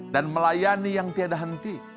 dan melayani yang tiada henti